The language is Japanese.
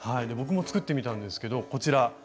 僕も作ってみたんですけどこちら。